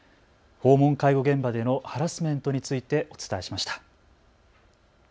訪問介護現場でのハラスメントについてお伝えしました。